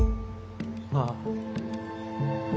ああ。